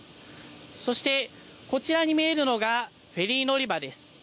そして、こちらに見えるのがフェリー乗り場です。